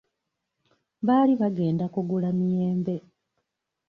Baali bagenda kugula miyembe.